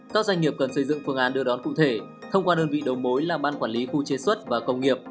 các doanh nghiệp cần xây dựng phương án đưa đón cụ thể thông qua đơn vị đầu mối là ban quản lý khu chế xuất và công nghiệp